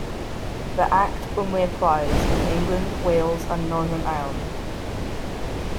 The Act only applies in England, Wales and Northern Ireland.